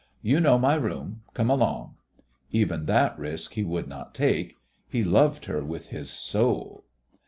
You know my room. Come along!" Even that risk he would not take. He loved her with his "soul."